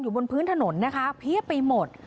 บนพื้นถนนนะคะเพียบไปหมด